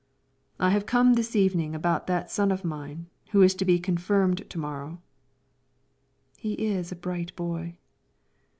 "I have come this evening about that son of mine who is to be confirmed to morrow." "He is a bright boy."